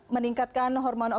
meningkatkan hormon oksidasi